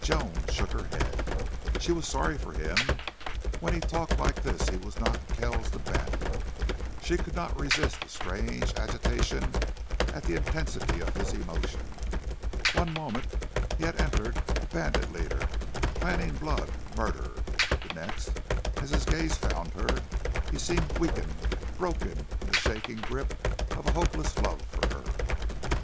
Joan shook her head. She was sorry for him. When he talked like this he was not Kells, the bandit. She could not resist a strange agitation at the intensity of his emotion. One moment he had entered a bandit leader, planning blood, murder; the next, as his gaze found her, he seemed weakened, broken in the shaking grip of a hopeless love for her.